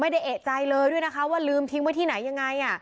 เอกใจเลยด้วยนะคะว่าลืมทิ้งไว้ที่ไหนยังไง